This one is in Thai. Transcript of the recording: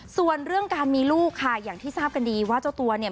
ส่วนเรื่องการมีลูกค่ะอย่างที่ทราบกันดีว่าเจ้าตัวเนี่ย